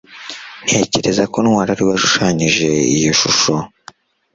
ntekereza ko ntwali ariwe muntu washushanyije iyo shusho